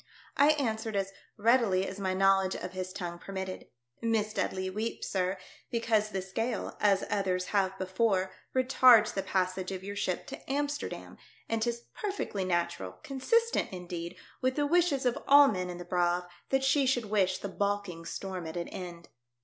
I answered as readily as my knowledge of his tongue permitted, " Miss Dudley weeps, sir, because this gale, as others have before, retards the passage of your ship to Amsterdam ; and 'tis perfectly natural, consistent, indeed, with the wishes of all men in the Braave, that she should wish the baulking storm at an end."